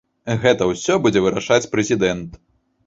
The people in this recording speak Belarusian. Гэта ўсё будзе вырашаць прэзідэнт.